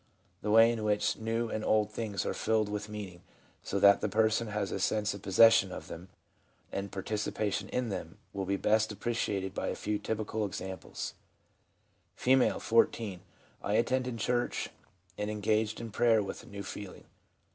The way in which new and old things are filled with meaning so that the person has a sense of possession of them and participation in them will be best appreciated by a few typical examples : F„ 14. * I attended church and engaged in prayer with a new feeling.